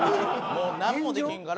もうなんもできんから。